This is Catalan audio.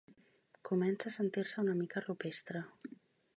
Comença a sentir-se una mica rupestre.